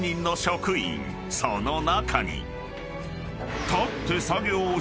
［その中に］